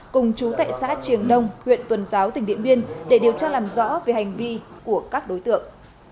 cùng chú tại xã triềng nông huyện tuần giáo tỉnh điện biên để điều tra làm rõ về hành vi của các đối tượng